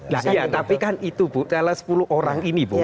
iya tapi kan itu bu teles sepuluh orang ini bu